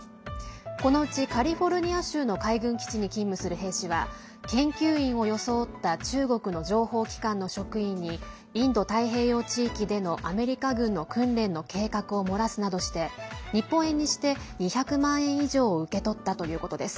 このうち、カリフォルニア州の海軍基地に勤務する兵士は研究員を装った中国の情報機関の職員にインド太平洋地域でのアメリカ軍の訓練の計画を漏らすなどして日本円にして２００万円以上を受け取ったということです。